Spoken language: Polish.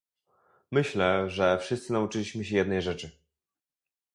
Myślę, że wszyscy nauczyliśmy się jednej rzeczy